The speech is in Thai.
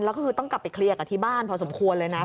แล้วก็คือต้องกลับไปเคลียร์กับที่บ้านพอสมควรเลยนะ